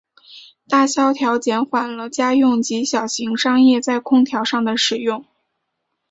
大萧条减缓了家用及小型商业在空调上的使用。